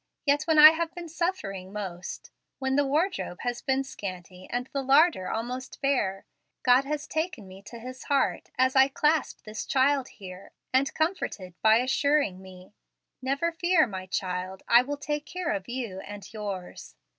Yet when I have been suffering most, when the wardrobe has been scanty and the larder almost bare, God has taken me to His heart as I clasp this child here, and comforted by assuring me, 'Never fear, my child, I will take care of you and yours.'